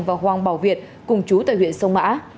và hoàng bảo việt cùng chú tại huyện sông mã